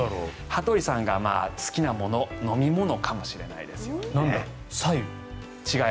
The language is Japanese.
羽鳥さんが好きなもの飲み物かもしれないです。